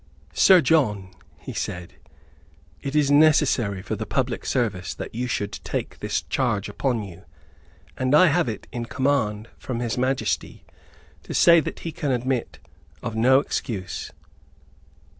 "Sir John," he said, "it is necessary for the public service that you should take this charge upon you; and I have it in command from His Majesty to say that he can admit of no excuse."